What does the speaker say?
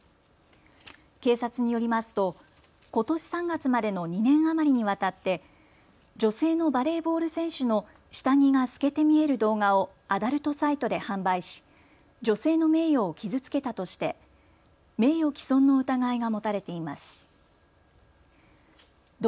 警察によりますとことし３月までの２年余りにわたって女性のバレーボール選手の下着が透けて見える動画をアダルトサイトで販売し女性の名誉を傷つけたとして名誉毀損の疑いが持たれています。